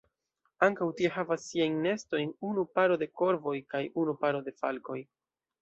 Ankaŭ tie havas siajn nestojn unu paro de korvoj kaj unu paro de falkoj.